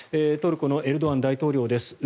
トルコのエルドアン大統領です。